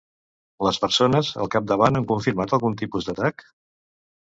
Les persones al capdavant han confirmat algun tipus d'atac?